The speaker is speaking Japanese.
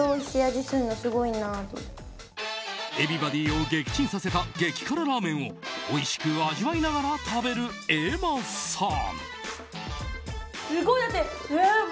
Ｅｖｅｒｙｂｏｄｙを撃沈させた激辛ラーメンをおいしく味わいながら食べる瑛茉さん。